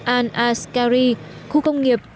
al azkari khu công nghiệp